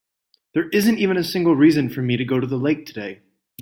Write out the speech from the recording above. There isn't even a single reason for me to go to the lake today.